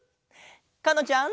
かのちゃん。